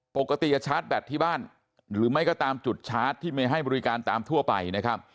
ปกติจะชาร์จแบตที่บ้านหรือไม่ก็ตามจุดชาร์จที่ไม่ให้บริการตามทั่วไปนะครับ